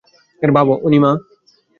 বাবা, ওনি মা।